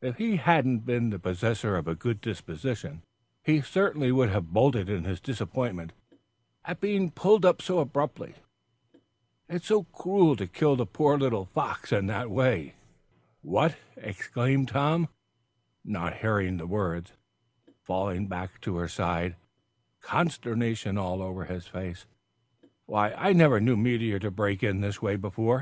If he hadn't been the possessor of a good disposition, he certainly would have bolted in his disappointment at being pulled up so abruptly. "It's so cruel to kill the poor fox in that way." "Eh what!" exclaimed Tom, not hearing the words, falling back to her side, consternation all over his face. "Why, I never knew Meteor to break in this way before."